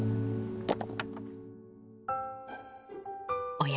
おや？